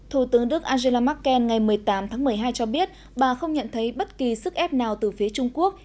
thủ tướng đức angela merkel ngày một mươi tám tháng một mươi hai cho biết bà không nhận thấy bất kỳ sức ép nào từ phía trung quốc